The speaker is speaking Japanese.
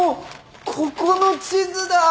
ここの地図だ！